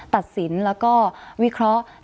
ตัดสินแล้วก็วิเคราะห์